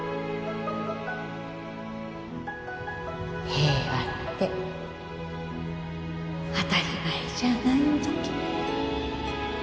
平和って当たり前じゃないんじゃけん。